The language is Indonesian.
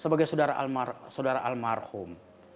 sebagai saudara almarhum